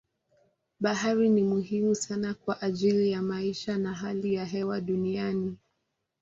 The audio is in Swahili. Bahari ni muhimu sana kwa ajili ya maisha na hali ya hewa duniani.